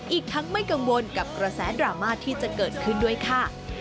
อีกทั้งไม่กังวลกับกระแสดราม่าที่จะเกิดขึ้นด้วยค่ะ